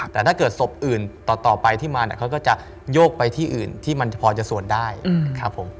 แต่ถ้าเกิดศพอื่นต่อไปที่มาเนี่ยเขาก็จะโยกไปที่อื่นที่มันพอจะสวดได้ครับผม